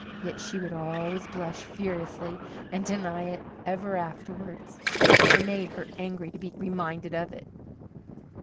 Yet she would always blush furiously and deny it ever afterwards; it made her angry to be reminded of it.